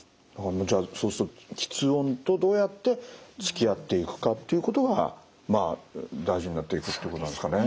じゃあそうすると吃音とどうやってつきあっていくかということがまあ大事になっていくっていうことなんですかね。